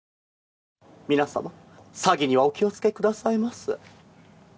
皆様、詐欺にはお気をつけくださいませ。